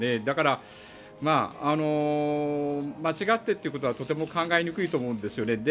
だから、間違ってということはとても考えにくいと思うんです。